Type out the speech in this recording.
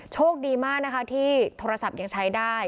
โชคดีมากนะคะที่โทรศัพท์ยังใช้ได้